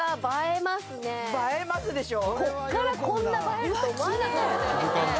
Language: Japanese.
映えますでしょ。